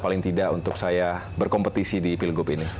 paling tidak untuk saya berkompetisi di pilgub ini